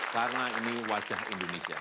karena ini wajah indonesia